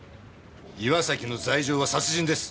岩崎の罪状は殺人です。